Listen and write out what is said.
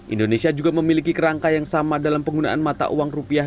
indonesia juga memiliki kerangka yang sama dalam penggunaan mata uang rupiah